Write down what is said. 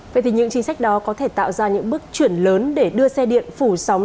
vậy thì những chính sách đó có thể tạo ra những bước chuyển lớn để đưa xe điện phủ sóng